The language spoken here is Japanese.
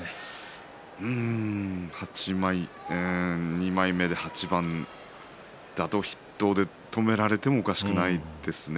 ２枚目で８番だと筆頭で止められてもおかしくないですね。